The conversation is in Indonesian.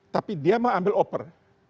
tapi dia mengambil oper